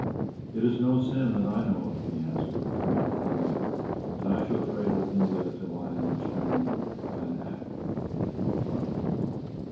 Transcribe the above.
"It is no sin that I know of," he answered, "to trade with India; and I shall trade with India till I am restrained by Act of Parliament."